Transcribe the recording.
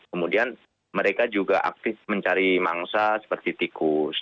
kemudian mereka juga aktif mencari mangsa seperti tikus